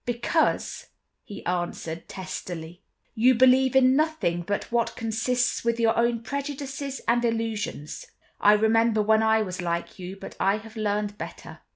"Because," he answered testily, "you believe in nothing but what consists with your own prejudices and illusions. I remember when I was like you, but I have learned better."